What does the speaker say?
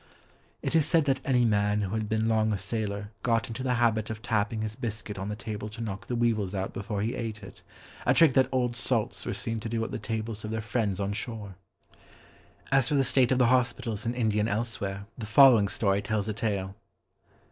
It is said that any man who had been long a sailor, got into the habit of tapping his biscuit on the table to knock the weevils out before he ate it, a trick that old salts were seen to do at the tables of their friends on shore! As for the state of the hospitals in India and elsewhere, the following story tells a tale.